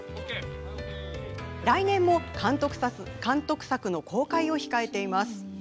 来年も監督作の公開を控えています。